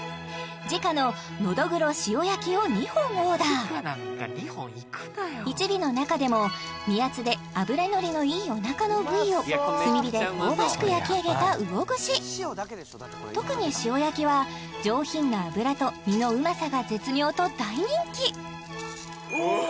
時価ののど黒塩焼きを２本オーダー１尾の中でも身厚で脂のりのいいおなかの部位を炭火で香ばしく焼き上げた魚串特に塩焼きは上品な脂と身のうまさが絶妙と大人気！